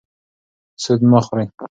سود مه خورئ.